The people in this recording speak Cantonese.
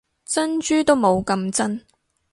珍珠都冇咁真